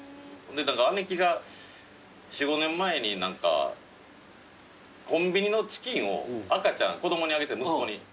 姉貴が４５年前にコンビニのチキンを子供にあげて息子に。